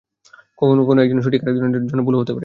কখনও কখনও, একজনের সঠিক আরেক জনের জন্য ভুল হতে পারে।